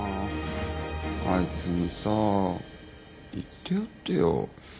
あいつにさ言ってやってよ。